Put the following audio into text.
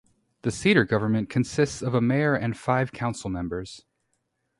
The Cedar government consists of a mayor and five council members.